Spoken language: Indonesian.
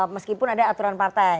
meskipun ada aturan partai